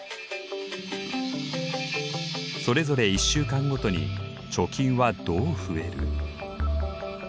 それぞれ１週間ごとに貯金はどう増える？